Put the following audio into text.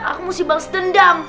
aku mesti balas dendam